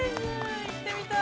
行ってみたい。